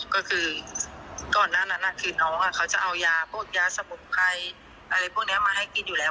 ก็คือก่อนหน้านั้นคือน้องเขาจะเอายาพวกยาสมุนไพรอะไรพวกนี้มาให้กินอยู่แล้ว